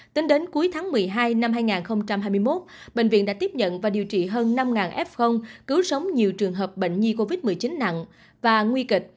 tính đến cuối tháng một mươi hai năm hai nghìn hai mươi một bệnh viện đã tiếp nhận và điều trị hơn năm f cứu sống nhiều trường hợp bệnh nhi covid một mươi chín nặng và nguy kịch